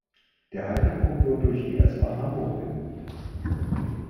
Der Haltepunkt wird durch die S-Bahn Hamburg bedient.